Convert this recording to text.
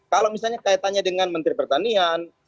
kalau misalnya kaitannya dengan menteri pertanian